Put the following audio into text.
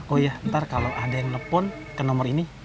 oh iya ntar kalo ada yang nelfon ke nomor ini